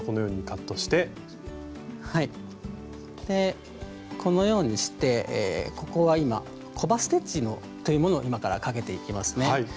でこのようにしてここは今「コバステッチ」というものを今からかけていきますね。